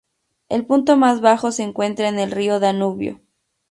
El punto más bajo se encuentra en el río Danubio.